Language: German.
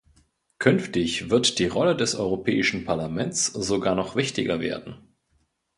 Künftig wird die Rolle des Europäischen Parlaments sogar noch wichtiger werden.